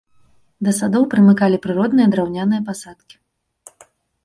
Да садоў прымыкалі прыродныя драўняныя пасадкі.